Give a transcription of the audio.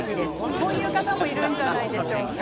こういう方もいるんじゃないでしょうか？